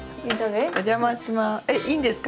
お邪魔します。